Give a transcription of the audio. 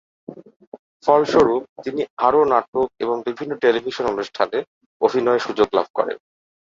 ফলস্বরূপ তিনি আরও নাটক এবং বিভিন্ন টেলিভিশন অনুষ্ঠানে অভিনয়ের সুযোগ লাভ করেন।